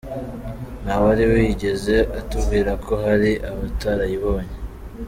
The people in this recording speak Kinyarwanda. Ntawari wigeze atubwira ko hari abatarayibonye.